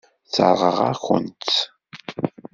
Sseṛɣeɣ-aken-tt.